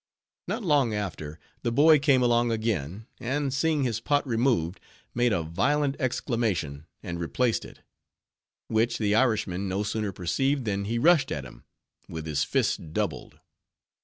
Not long after, the boy came along again; and seeing his pot removed, made a violent exclamation, and replaced it; which the Irishman no sooner perceived, than he rushed at him, with his fists doubled.